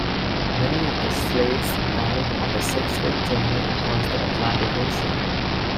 Many of the slaves died on the six-week journey across the Atlantic Ocean.